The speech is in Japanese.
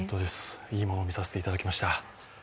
いいものみさせていただきました。